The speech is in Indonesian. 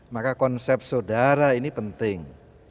maka konsep saudara ini penting